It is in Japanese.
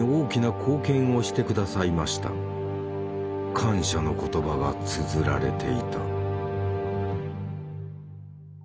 感謝の言葉がつづられていた。